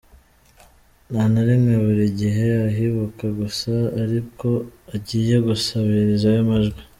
Nta na rimwe, buri gihe ahibuka gusa ari uko agiye gusabirizayo amajwi.